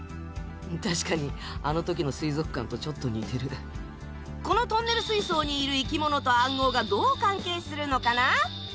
確かにあの時の水族館とちょっと似てるこのトンネル水槽にいる生き物と暗号がどう関係するのかな？